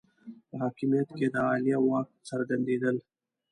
په حاکمیت کې د عالیه واک څرګندېدل